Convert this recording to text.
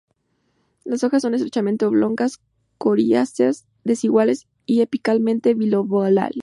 Las hojas son estrechamente oblongas, coriáceas, desiguales y apicalmente bi-lobuladas.